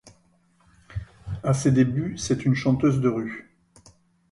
À ses débuts, c’est une chanteuse de rue.